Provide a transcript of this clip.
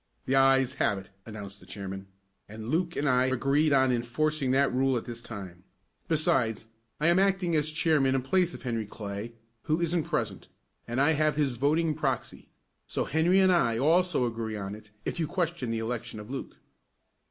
"The ayes have it," announced the chairman, "and Luke and I agreed on enforcing that rule at this time. Besides, I am acting as chairman in place of Henry Clay, who isn't present, and I have his voting proxy, so Henry and I also agree on it, if you question the election of Luke."